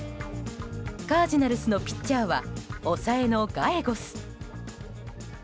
カージナルスのピッチャーは抑えのガエゴス。